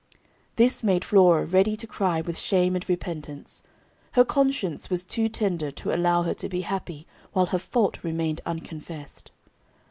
This made Flora ready to cry with shame and repentance. Her conscience was too tender to allow her to be happy while her fault remained unconfessed.